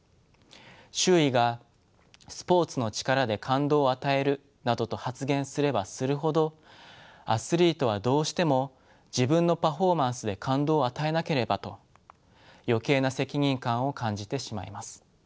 周囲が「スポーツの力で感動を与える」などと発言すればするほどアスリートはどうしても「自分のパフォーマンスで感動を与えなければ」と余計な責任感を感じてしまいます。